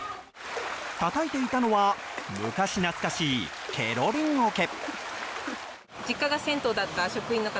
たたいていたのは昔懐かしいケロリンおけ。